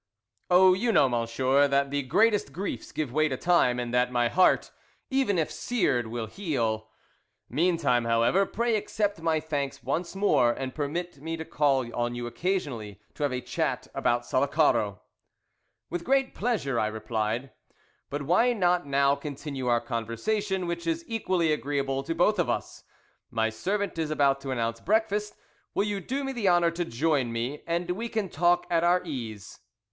"Oh, you know, monsieur, that the greatest griefs give way to time, and that my heart, even if seared, will heal. Meantime, however, pray accept my thanks once more, and permit me to call on you occasionally to have a chat about Sullacaro." "With the greatest pleasure," I replied; "but why not now continue our conversation, which is equally agreeable to both of us. My servant is about to announce breakfast. Will you do me the honour to join me, and we can talk at our ease?"